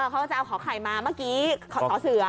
เขาก็จะเอาขอไข่มาเมื่อกี้ขอเสือ